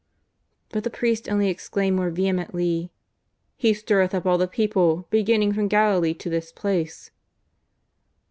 But the priests only exclaimed more vehemently: " He stirreth up all the people, beginning from Galilee to this place."